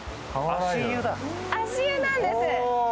足湯なんです。